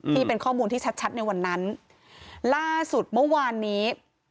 ที่เป็นข้อมูลที่ชัดชัดในวันนั้นล่าสุดเมื่อวานนี้